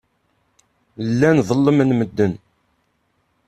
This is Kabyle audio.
Llan ḍellmen medden.